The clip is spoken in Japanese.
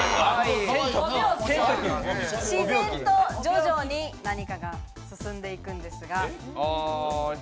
自然と徐々に何かが進んでいくんですが。